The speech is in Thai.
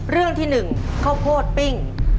เรื่องที่หนึ่งเข้าโพดปิ้ง